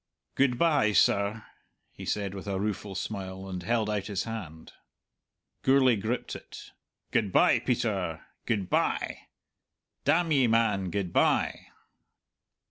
"Good bye, sir," he said with a rueful smile, and held out his hand. Gourlay gripped it. "Good bye, Peter! good bye; damn ye, man, good bye!"